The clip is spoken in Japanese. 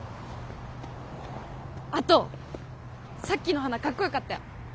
あとさっきの花かっこよかったよ。